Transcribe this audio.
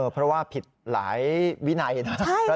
เพราะว่าผิดหลายวินัยนะ